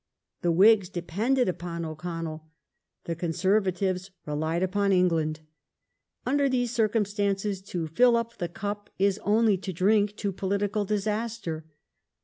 The Whigs depended upon O'Connell ; the Conservatives relied upon England. Under these circumstances " to fill up the cup " is only to drink to political disaster.